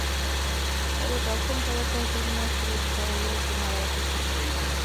তবে তখন তাঁরা প্রায় তিন মাস সিলেট শহরের একটি ভাড়া বাসায় ছিলেন।